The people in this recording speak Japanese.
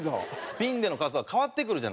ピンでの活動は変わってくるじゃないですか。